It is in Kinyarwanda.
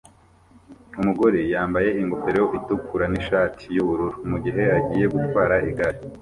Umugore yambaye ingofero itukura nishati yubururu mugihe agiye gutwara igare